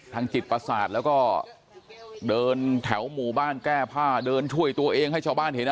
ทางจิตประสาทแล้วก็เดินแถวหมู่บ้านแก้ผ้าเดินช่วยตัวเองให้ชาวบ้านเห็น